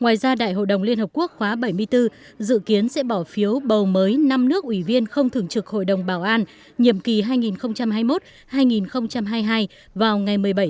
ngoài ra đại hội đồng liên hợp quốc khóa bảy mươi bốn dự kiến sẽ bỏ phiếu bầu mới năm nước ủy viên không thường trực hội đồng bảo an nhiệm kỳ hai nghìn hai mươi một hai nghìn hai mươi hai vào ngày một mươi bảy tháng năm